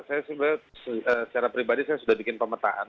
saya sebenarnya secara pribadi saya sudah bikin pemetaan